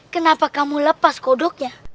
kenapa kamu lepas kodoknya